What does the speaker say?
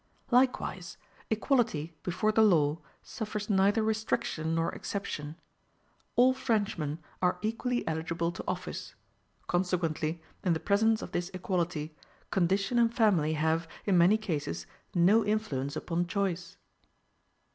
Likewise, equality before the law suffers neither restriction nor exception. All Frenchmen are equally eligible to office: consequently, in the presence of this equality, condition and family have, in many cases, no influence upon choice.